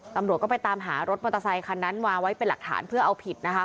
ตำรวจก็ไปตามหารถมอเตอร์ไซคันนั้นวางไว้เป็นหลักฐานเพื่อเอาผิดนะคะ